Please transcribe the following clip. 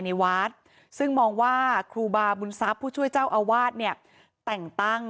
ในวัดซึ่งมองว่าครูบาบุญทรัพย์ผู้ช่วยเจ้าอาวาสเนี่ยแต่งตั้ง